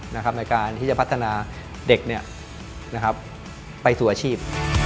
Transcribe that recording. ในการที่จะพัฒนาเด็กไปสู่อาชีพ